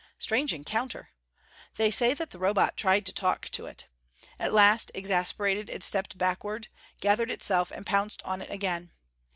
Strange encounter! They say that the Robot tried to talk to it. At last, exasperated, it stepped backward, gathered itself and pounced on it again.